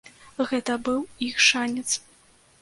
Гэта быў іх шанец.